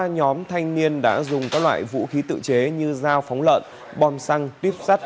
ba nhóm thanh niên đã dùng các loại vũ khí tự chế như dao phóng lợn bom xăng tuyếp sắt